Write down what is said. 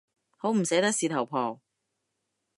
好唔捨得事頭婆